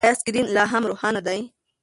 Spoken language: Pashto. ایا سکرین لا هم روښانه دی؟